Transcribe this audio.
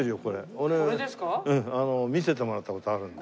俺見せたもらった事あるんで。